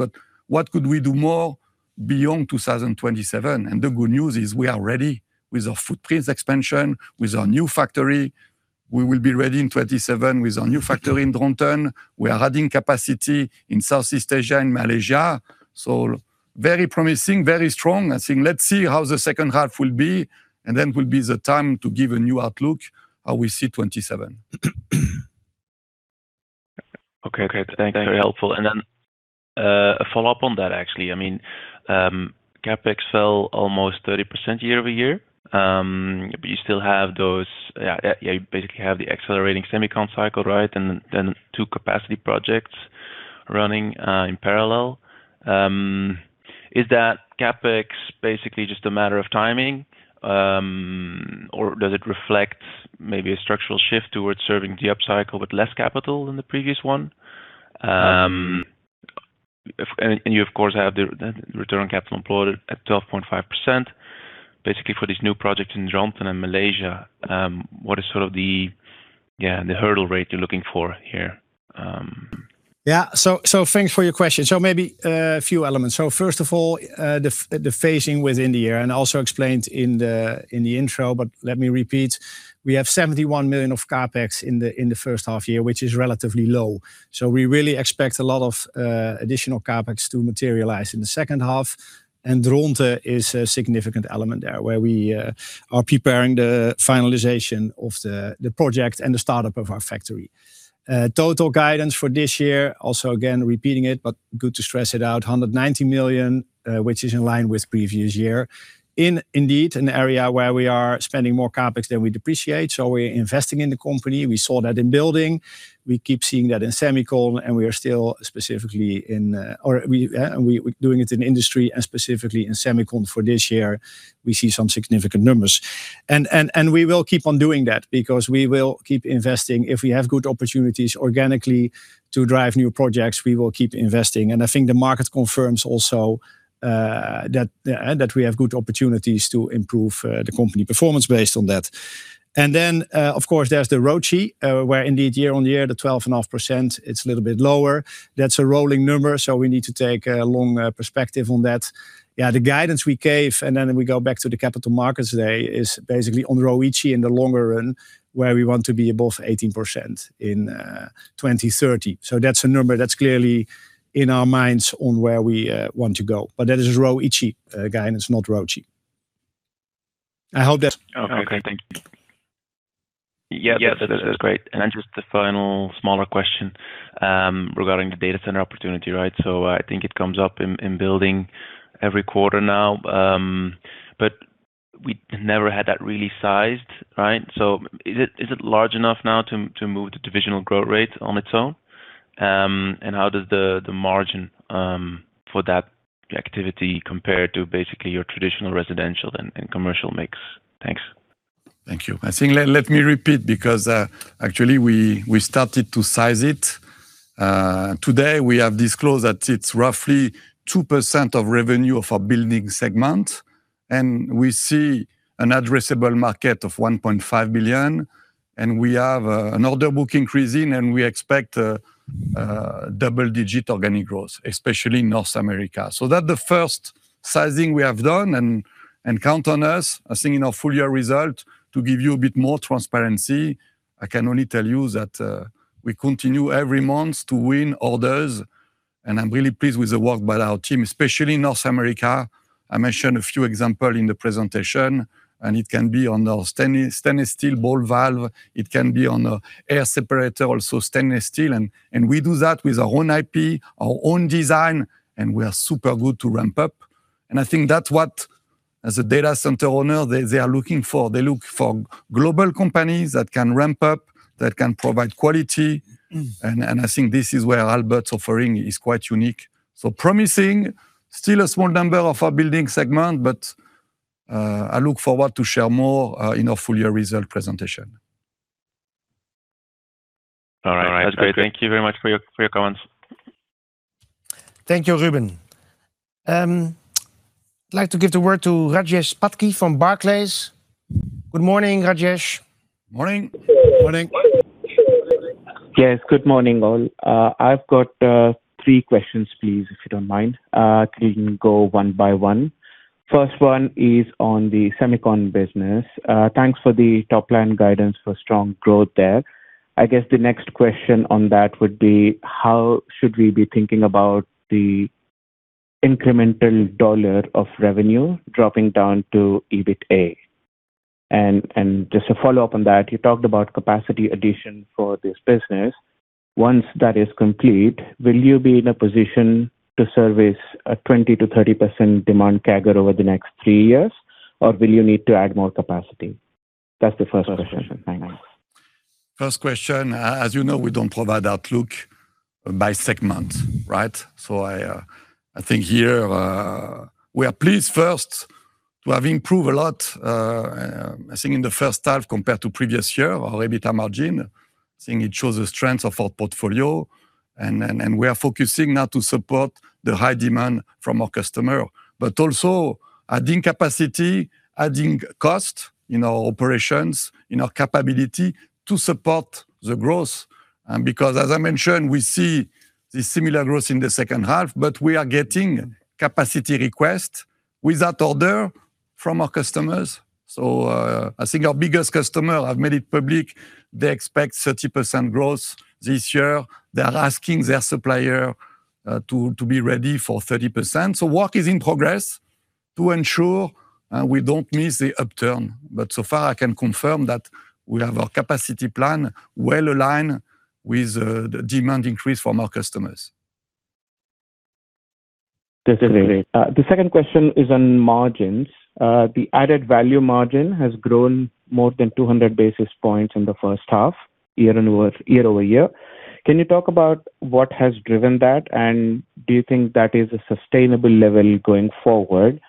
what could we do more beyond 2027? The good news is we are ready with our footprints expansion, with our new factory. We will be ready in 2027 with our new factory in Dronten. We are adding capacity in Southeast Asia and Malaysia. Very promising, very strong. I think let's see how the second half will be, and then will be the time to give a new outlook how we see 2027. Okay. Thanks. Very helpful. A follow-up on that, actually. CapEx fell almost 30% year-over-year. You basically have the accelerating semicon cycle, and then two capacity projects running in parallel. Is that CapEx basically just a matter of timing? Or does it reflect maybe a structural shift towards serving the up cycle with less capital than the previous one. And you, of course, have the return on capital employed at 12.5%, basically for this new project in Dronten and Malaysia. What is the hurdle rate you're looking for here? Yeah. Thanks for your question. Maybe a few elements. First of all, the phasing within the year, and also explained in the intro, but let me repeat, we have 71 million of CapEx in the first half year, which is relatively low. We really expect a lot of additional CapEx to materialize in the second half. Dronten is a significant element there, where we are preparing the finalization of the project and the startup of our factory. Total guidance for this year, also again, repeating it, but good to stress it out, 190 million, which is in line with previous year, indeed, an area where we are spending more CapEx than we depreciate. We're investing in the company. We saw that in building. We keep seeing that in semicon, we are still specifically doing it in industry and specifically in semicon for this year. We see some significant numbers. We will keep on doing that because we will keep investing. If we have good opportunities organically to drive new projects, we will keep investing. I think the market confirms also that we have good opportunities to improve the company performance based on that. Of course, there's the ROCE, where indeed year-on-year, the 12.5%, it's a little bit lower. That's a rolling number, so we need to take a long perspective on that. The guidance we gave, we go back to the Capital Markets Day, is basically on ROICI in the longer run, where we want to be above 18% in 2030. That's a number that's clearly in our minds on where we want to go. That is ROICI guidance, not ROCE. I hope that. Okay, thank you. Yeah, that's great. Just the final smaller question, regarding the data center opportunity. I think it comes up in building every quarter now. We never had that really sized. Is it large enough now to move the divisional growth rate on its own? How does the margin for that activity compare to basically your traditional residential and commercial mix? Thanks. Thank you. I think let me repeat, because actually we started to size it. Today, we have disclosed that it's roughly 2% of revenue of our building segment. We see an addressable market of 1.5 billion. We have an order book increasing. We expect double-digit organic growth, especially in North America. That's the first sizing we have done. Count on us. I think in our full-year result to give you a bit more transparency, I can only tell you that we continue every month to win orders. I'm really pleased with the work by our team, especially North America. I mentioned a few example in the presentation. It can be on our stainless steel ball valve. It can be on a air separator, also stainless steel. We do that with our own IP, our own design. We are super good to ramp up. I think that's what, as a data center owner, they are looking for. They look for global companies that can ramp up, that can provide quality. I think this is where Aalberts offering is quite unique. Promising, still a small number of our building segment. I look forward to share more in our full year result presentation. All right. That's great. Thank you very much for your comments. Thank you, Ruben. I'd like to give the word to Rajesh Patki from Barclays. Good morning, Rajesh. Morning. Morning. Yes, good morning, all. I've got three questions, please, if you don't mind. Can go one by one. First one is on the semicon business. Thanks for the top-line guidance for strong growth there. I guess the next question on that would be, how should we be thinking about the incremental dollar of revenue dropping down to EBITDA? Just a follow-up on that, you talked about capacity addition for this business. Once that is complete, will you be in a position to service a 20%-30% demand CAGR over the next three years, or will you need to add more capacity? That's the first question. Thanks. First question, as you know, we don't provide outlook by segment. I think here, we are pleased first to have improved a lot, I think in the first half compared to previous year, our EBITDA margin. I think it shows the strength of our portfolio, and we are focusing now to support the high demand from our customer, but also adding capacity, adding cost in our operations, in our capability to support the growth. As I mentioned, we see the similar growth in the second half, but we are getting capacity request without order from our customers. I think our biggest customer, I've made it public, they expect 30% growth this year. They are asking their supplier to be ready for 30%. Work is in progress to ensure we don't miss the upturn. I can confirm that we have our capacity plan well-aligned with the demand increase from our customers. That's great. The second question is on margins. The added value margin has grown more than 200 basis points in the first half, year-over-year. Can you talk about what has driven that, and do you think that is a sustainable level going forward?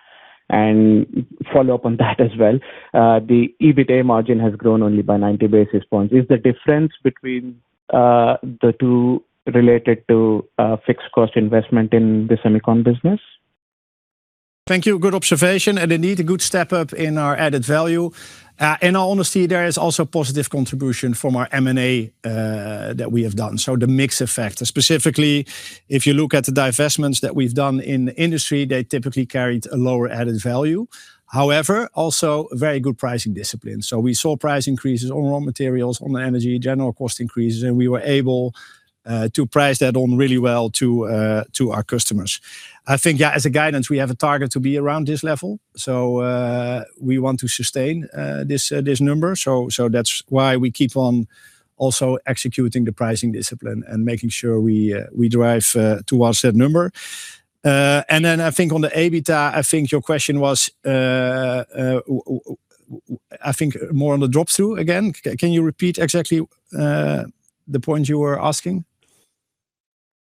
Follow up on that as well. The EBITDA margin has grown only by 90 basis points. Is the difference between the two related to fixed cost investment in the semicon business? Thank you. Good observation, indeed, a good step up in our added value. In all honesty, there is also positive contribution from our M&A that we have done. The mix effect. Specifically, if you look at the divestments that we've done in the industry, they typically carried a lower added value. However, also very good pricing discipline. We saw price increases on raw materials, on energy, general cost increases, and we were able to price that on really well to our customers. I think, as a guidance, we have a target to be around this level. We want to sustain this number. That's why we keep on also executing the pricing discipline and making sure we drive towards that number. Then I think on the EBITDA, I think your question was, I think more on the drop-through again. Can you repeat exactly the point you were asking?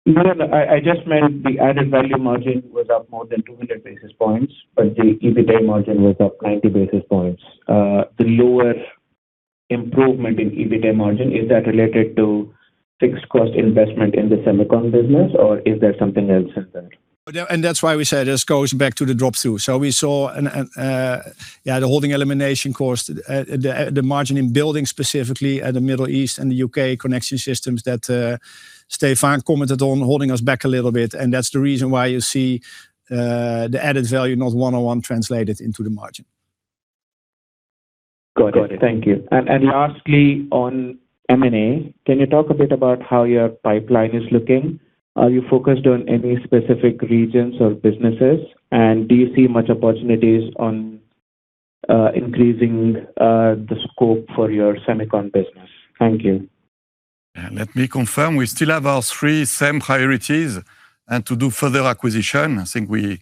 No, I just meant the added value margin was up more than 200 basis points, but the EBITDA margin was up 90 basis points. The lower improvement in EBITDA margin, is that related to fixed cost investment in the semicon business, or is there something else in that? That's why we said this goes back to the drop-through. We saw the holding elimination cost, the margin in building specifically at the Middle East and the U.K. connection systems that Stéphane commented on, holding us back a little bit. That's the reason why you see the added value not one-on-one translated into the margin. Got it. Thank you. Lastly on M&A, can you talk a bit about how your pipeline is looking? Are you focused on any specific regions or businesses, and do you see much opportunities on increasing the scope for your semicon business? Thank you. Let me confirm. We still have our three same priorities to do further acquisition. I think we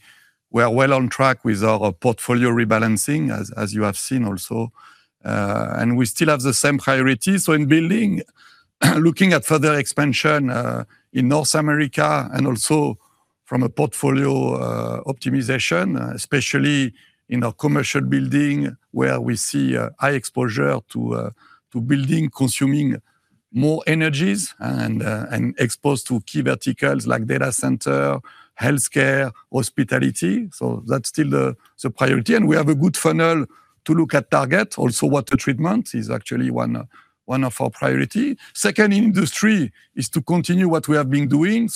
are well on track with our portfolio rebalancing, as you have seen also. We still have the same priorities. In building, looking at further expansion in North America and also from a portfolio optimization, especially in our commercial building, where we see high exposure to building, consuming more energies, and exposed to key verticals like data center, healthcare, hospitality. That's still the priority. We have a good funnel to look at target. Also water treatment is actually one of our priority. Second industry is to continue what we have been doing.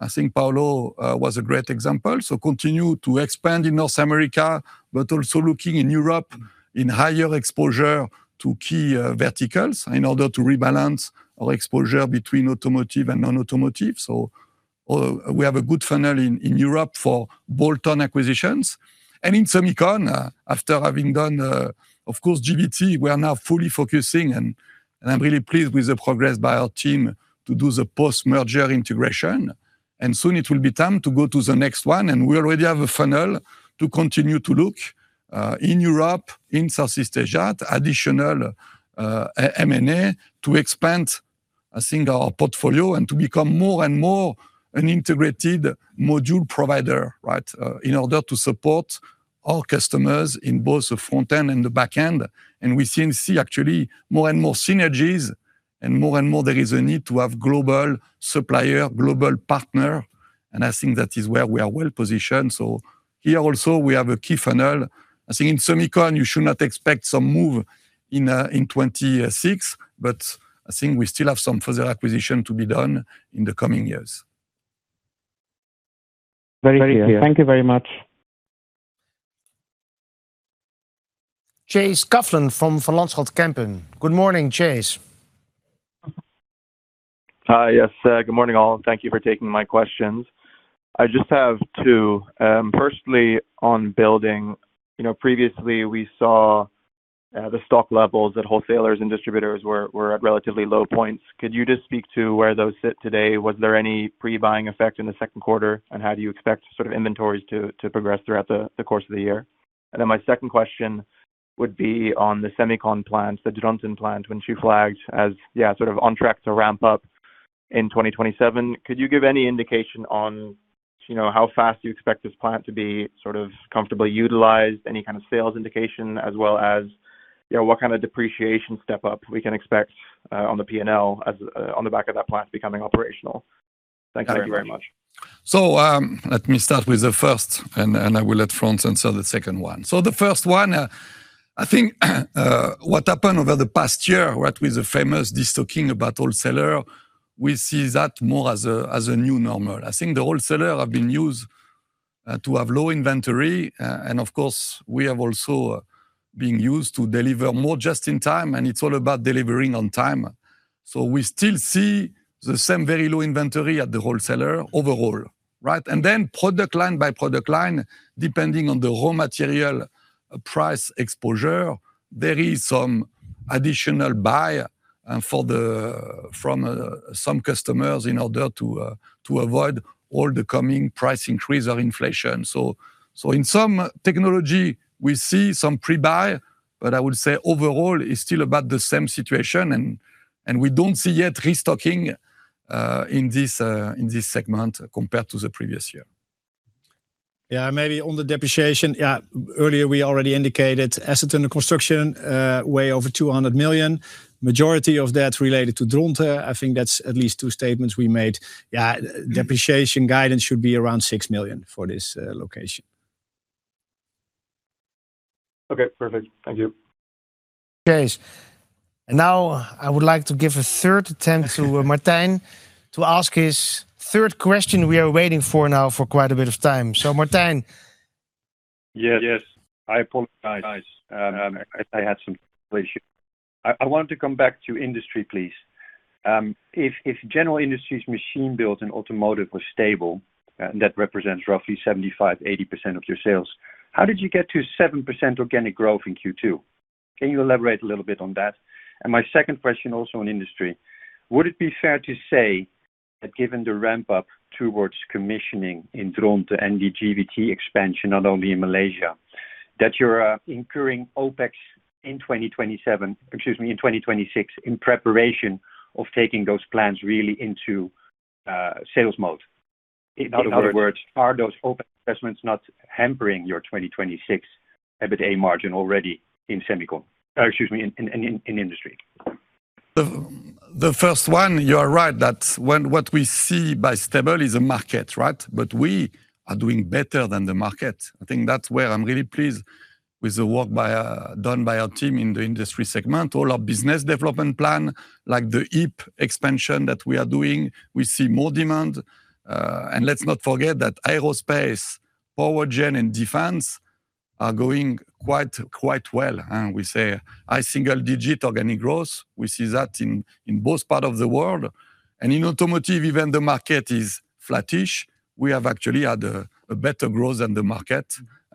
I think Paulo was a great example. Continue to expand in North America, but also looking in Europe in higher exposure to key verticals in order to rebalance our exposure between automotive and non-automotive. We have a good funnel in Europe for bolt-on acquisitions. In semicon, after having done, of course, GVT, we are now fully focusing, and I'm really pleased with the progress by our team to do the post-merger integration. Soon it will be time to go to the next one. We already have a funnel to continue to look in Europe, in Southeast Asia, at additional M&A to expand our portfolio and to become more and more an integrated module provider, in order to support our customers in both the front end and the back end. We see, actually, more and more synergies and more and more there is a need to have global supplier, global partner, and I think that is where we are well positioned. Here also we have a key funnel. I think in semicon, you should not expect some move in 2026, but I think we still have some further acquisition to be done in the coming years. Very clear. Thank you very much. Chase Coughlan from Van Lanschot Kempen. Good morning, Chase. Hi. Yes. Good morning, all. Thank you for taking my questions. I just have two. Firstly, on building. Previously, we saw the stock levels that wholesalers and distributors were at relatively low points. Could you just speak to where those sit today? Was there any pre-buying effect in the second quarter, and how do you expect inventories to progress throughout the course of the year? My second question would be on the semicon plant, the Dronten plant, when Shu flagged as on track to ramp up in 2027. Could you give any indication on how fast you expect this plant to be comfortably utilized, any kind of sales indication as well as what kind of depreciation step-up we can expect on the P&L on the back of that plant becoming operational? Thanks very much. Let me start with the first, and I will let Frans answer the second one. The first one, I think what happened over the past year with the famous destocking about wholesaler, we see that more as a new normal. I think the wholesaler have been used to have low inventory, and of course, we have also been used to deliver more just-in-time, and it's all about delivering on time. We still see the same very low inventory at the wholesaler overall. Product line by product line, depending on the raw material price exposure, there is some additional buy from some customers in order to avoid all the coming price increase of inflation. In some technology, we see some pre-buy, but I would say overall it's still about the same situation, and we don't see yet restocking in this segment compared to the previous year. Yeah. Maybe on the depreciation. Earlier we already indicated assets under construction way over 200 million. Majority of that related to Dronten. I think that's at least two statements we made. Depreciation guidance should be around 6 million for this location. Okay, perfect. Thank you. Okay. Now I would like to give a third attempt to Martijn to ask his third question we are waiting for now for quite a bit of time. Martijn. Yes. I apologize. I had some issues. I want to come back to industry, please. If general industries machine building and automotive was stable, that represents roughly 75%-80% of your sales, how did you get to 7% organic growth in Q2? Can you elaborate a little bit on that? My second question, also on industry. Would it be fair to say that given the ramp-up towards commissioning in Dronten and the GVT expansion, not only in Malaysia, that you're incurring OPEX in 2027, excuse me, in 2026, in preparation of taking those plans really into sales mode? In other words, are those OPEX investments not hampering your 2026 EBITDA margin already in excuse me, in industry? The first one, you are right that what we see by stable is a market, we are doing better than the market. I think that's where I'm really pleased with the work done by our team in the industry segment, all our business development plan, like the IP expansion that we are doing. We see more demand. Let's not forget that aerospace, power gen, and defense are going quite well. We say high single-digit organic growth. We see that in both part of the world. In automotive, even the market is flattish. We have actually had a better growth than the market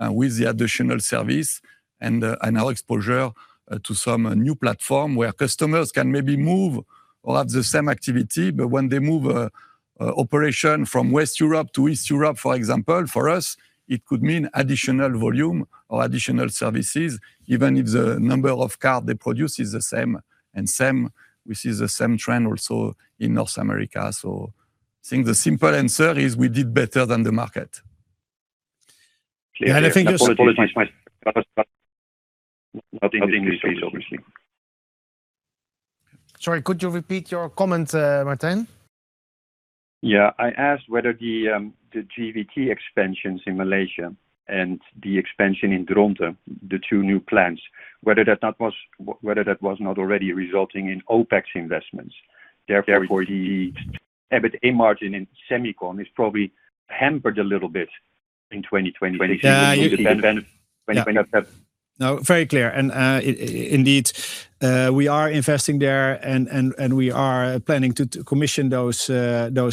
with the additional service and our exposure to some new platform where customers can maybe move or have the same activity. When they move operation from West Europe to East Europe, for example, for us, it could mean additional volume or additional services, even if the number of cars they produce is the same. Same, we see the same trend also in North America. I think the simple answer is we did better than the market. Clear. I apologize my not in English, obviously. Sorry, could you repeat your comment, Martijn? Yeah. I asked whether the GVT expansions in Malaysia and the expansion in Dronten, the two new plants, whether that was not already resulting in OPEX investments, therefore the EBITDA margin in semicon is probably hampered a little bit in 2026. No, very clear. Indeed, we are investing there, and we are planning to commission those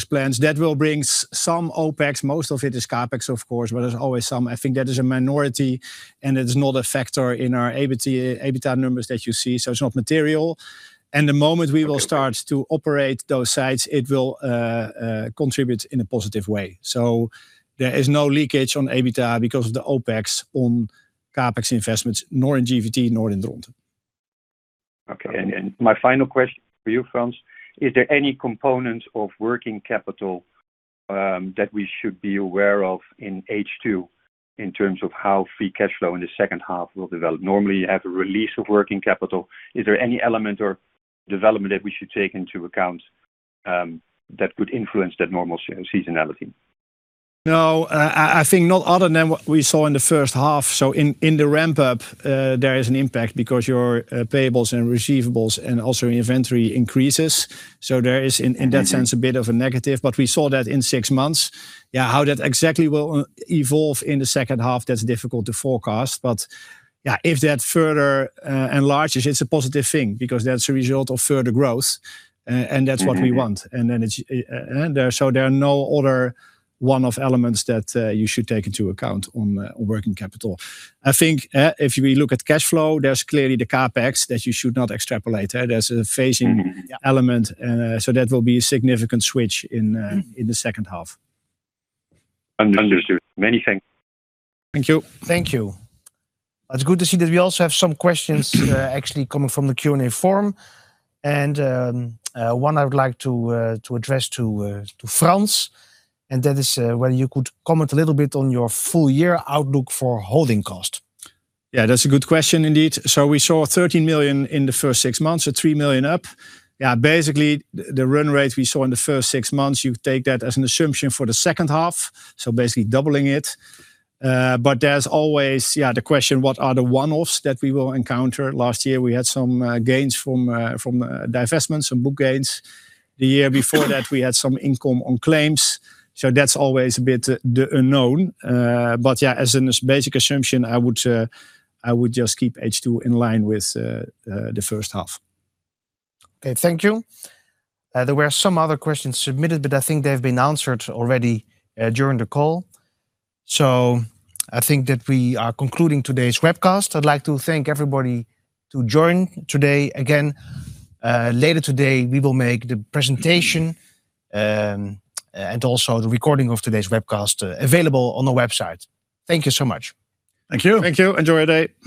plans. That will bring some OPEX. Most of it is CapEx, of course, but there's always some. I think that is a minority, and it is not a factor in our EBITDA numbers that you see. It's not material. The moment we will start to operate those sites, it will contribute in a positive way. There is no leakage on EBITDA because of the OPEX on CapEx investments, nor in GVT, nor in Dronten. Okay. My final question for you, Frans, is there any component of working capital that we should be aware of in H2 in terms of how free cash flow in the second half will develop? Normally, you have a release of working capital. Is there any element or development that we should take into account that could influence that normal seasonality? No, I think not other than what we saw in the first half. In the ramp-up, there is an impact because your payables and receivables and also inventory increases. There is, in that sense, a bit of a negative, but we saw that in six months. How that exactly will evolve in the second half, that's difficult to forecast. If that further enlarges, it's a positive thing because that's a result of further growth, and that's what we want. There are no other one-off elements that you should take into account on working capital. I think if we look at cash flow, there's clearly the CapEx that you should not extrapolate. There's a phasing element. That will be a significant switch in the second half. Understood. Many thanks. Thank you. Thank you. It's good to see that we also have some questions actually coming from the Q&A forum. One I would like to address to Frans, and that is whether you could comment a little bit on your full-year outlook for holding cost. Yeah, that's a good question, indeed. We saw 13 million in the first six months, 3 million up. Basically, the run rate we saw in the first six months, you take that as an assumption for the second half, basically doubling it. There's always the question, what are the one-offs that we will encounter? Last year, we had some gains from divestments, some book gains. The year before that, we had some income on claims. That's always a bit the unknown. As a basic assumption, I would just keep H2 in line with the first half. Okay. Thank you. There were some other questions submitted, I think they've been answered already during the call. I think that we are concluding today's webcast. I'd like to thank everybody to join today again. Later today, we will make the presentation and also the recording of today's webcast available on the website. Thank you so much. Thank you. Thank you. Enjoy your day.